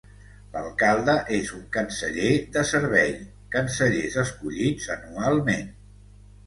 L'alcalde és un canceller de servei, cancellers escollits anualment.